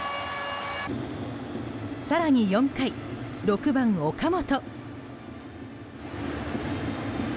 更に４回、６番、岡本。